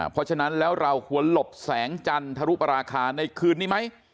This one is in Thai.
เพราะฉะนั้นแล้วเราควรหลบแสงจันทรุปราคาในคืนนี้ไหม